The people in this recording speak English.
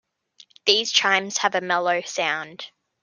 These chimes have a mellow sound.